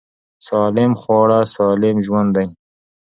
سالم خواړه سالم ژوند دی.